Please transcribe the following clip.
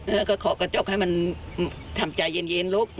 เออก็ขอกระจกให้มันทำใจเย็นลูก